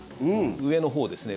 上のほうですね。